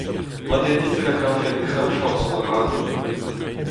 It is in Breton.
Mat eo dit e lakafen kreñvoc'h son ar radio ?